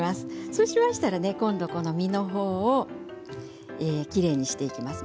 そうしましたら今度は身のほうをきれいにしていきます。